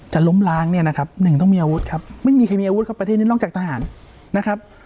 ล้มล้างเนี่ยนะครับหนึ่งต้องมีอาวุธครับไม่มีใครมีอาวุธครับประเทศนี้นอกจากทหารนะครับ